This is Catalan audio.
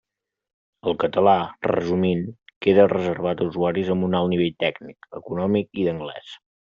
El català, resumint, queda reservat a usuaris amb un alt nivell tècnic, econòmic i d'anglès.